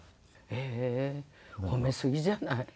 へえー褒めすぎじゃない？